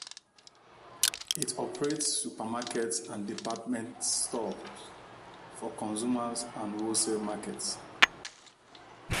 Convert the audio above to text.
It operates supermarkets and department stores for consumer and wholesale markets.